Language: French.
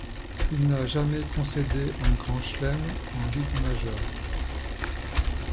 Il n'a jamais concédé un grand chelem en Ligue majeure.